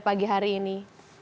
pagi hari ini